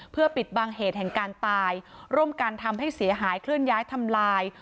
เพื่อปิดบังเหตุแห่งการตายร่วมกันทำให้เสียหายเคลื่อนย้ายทำลาย